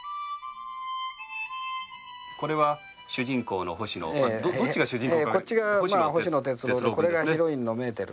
これは主人公の星野どっちが主人公。